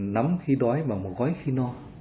nắm khi đói và một gói khi no